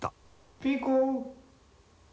ピーコ。